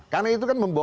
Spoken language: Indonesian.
karena itu kan